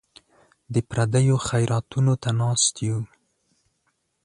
د پردیو خیراتونو ته ناست یو.